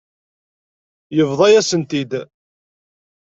Yebḍa-yasent-t-id.